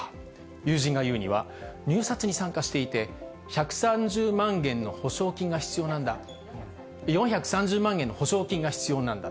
友人が言うには入札に参加していて、１３０万元の保証金が必要なんだ、４３０万元の保証金が必要なんだ。